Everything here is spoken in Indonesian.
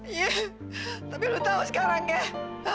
iya tapi lu tahu sekarang ya